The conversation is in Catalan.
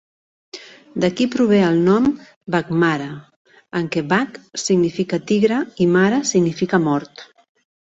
D'aquí prové el nom Baghmara, en què "bagh" significa "tigre" i "mara" significa "mort".